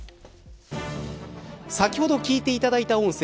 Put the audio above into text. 先ほど聞いていただいた音声。